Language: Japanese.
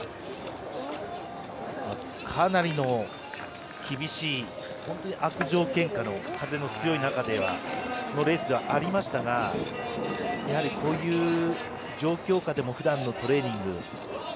かなりの厳しい悪条件下の風の強い中でのレースではありましたがやはり、こういう状況下でもふだんのトレーニング。